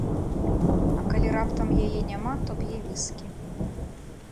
А калі раптам яе няма, то п'е віскі.